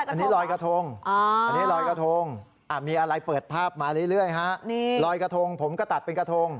อันนี้ลอยกระทงอันนี้ลอยกระทงมีอะไรเปิดภาพมาเรื่อยฮะลอยกระทงผมก็ตัดเป็นกระทง